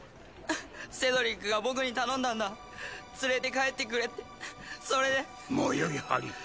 セドリックが僕に頼んだんだ「連れて帰ってくれ」ってそれでもうよいハリー